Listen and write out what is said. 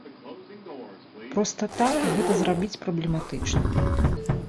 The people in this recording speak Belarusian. Проста так гэта зрабіць праблематычна.